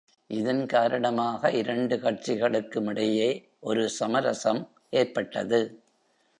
இதன் காரணமாக இரண்டு கட்சிகளுக்குமிடையே ஒரு சமரசம் ஏற்பட்டது.